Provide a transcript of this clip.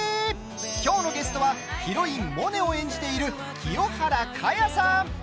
きょうのゲストはヒロイン・モネを演じている清原果耶さん。